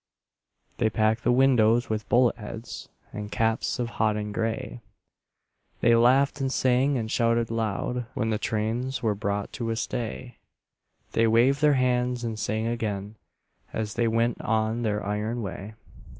They packed the windows with bullet heads And caps of hodden gray; They laughed and sang and shouted loud When the trains were brought to a stay; They waved their hands and sang again As they went on their iron way.